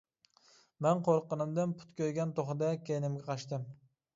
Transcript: مەن قورققىنىمدىن پۇتى كۆيگەن توخۇدەك كەينىمگە قاچتىم.